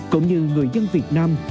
cũng như người dân việt nam